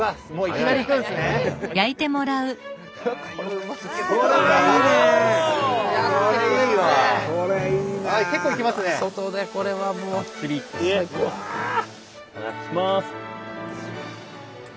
いただきます。